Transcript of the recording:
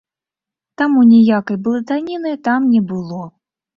Таму ніякай блытаніны там не было.